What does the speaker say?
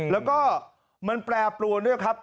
แล้วก็มันแปรปรวนด้วยครับ